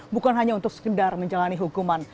bukan hanya untuk sekedar menjalani hukuman